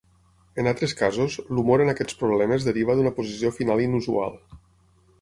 En altres casos, l'humor en aquests problemes deriva d'una posició final inusual.